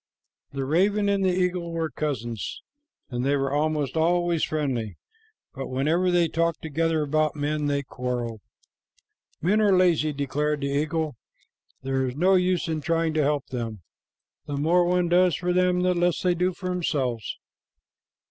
The raven and the eagle were cousins, and they were almost always friendly, but whenever they talked together about men, they quarreled. "Men are lazy," declared the eagle. "There is no use in trying to help them. The more one does for them, the less they do for themselves."